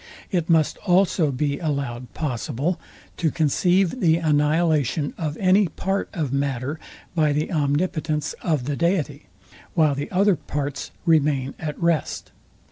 It must also be allowed possible, to conceive the annihilation of any part of matter by the omnipotence of the deity, while the other parts remain at rest.